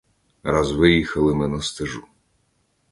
Раз виїхали ми на стежу.